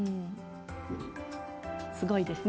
すごいですね。